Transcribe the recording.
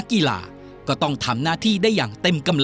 นักกีฬาไทยทุกคนคงต้องการที่จะมีทงชาติไทยติดหน้าอก